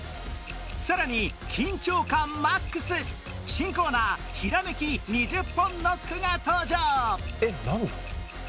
さらに緊張感マックス新コーナーひらめき２０本ノックが登場